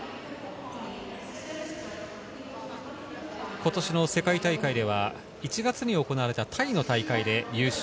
今年の世界大会では１月に行われたタイの大会で優勝。